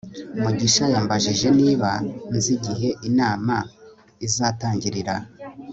mugisha yambajije niba nzi igihe inama izatangirira